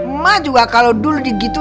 emang juga kalo dulu di gitu